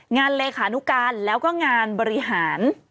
เลขานุการแล้วก็งานบริหาร